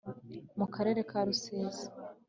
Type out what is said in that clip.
Mu karere ka rusizi